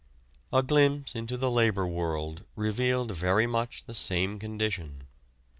A glimpse into the labor world revealed very much the same condition.